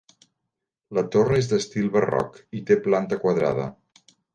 La torre és d'estil barroc i té planta quadrada.